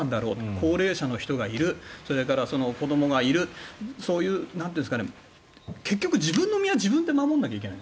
高齢者の人がいるそれから子どもがいるそういう結局自分の身は自分で守らなきゃいけない。